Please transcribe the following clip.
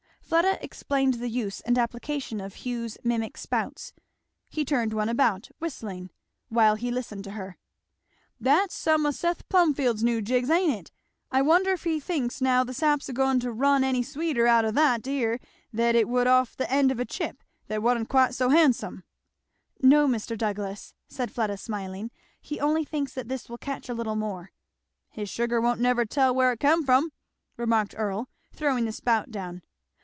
Fleda explained the use and application of Hugh's mimic spouts. He turned one about, whistling, while he listened to her. "That's some o' Seth Plumfield's new jigs, ain't it. I wonder if he thinks now the sap's a goin to run any sweeter out o' that 'ere than it would off the end of a chip that wa'n't quite so handsome?" "No, Mr. Douglass," said Fleda smiling, "he only thinks that this will catch a little more." "His sugar won't never tell where it come from," remarked Earl, throwing the spout down.